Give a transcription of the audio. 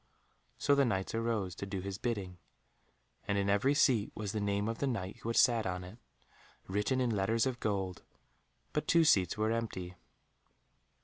So the Knights arose to do his bidding, and in every seat was the name of the Knight who had sat on it, written in letters of gold, but two seats were empty.